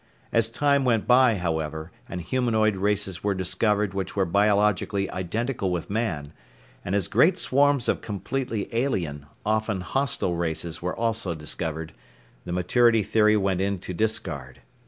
As time went by, however, and humanoid races were discovered which were biologically identical with Man, and as great swarms of completely alien, often hostile races were also discovered, the Maturity Theory went into discard.